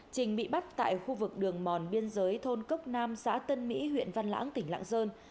trình bị bắt tại khu vực đường mòn biên giới thôn cốc nam xã tân mỹ huyện văn lãng tỉnh lạng sơn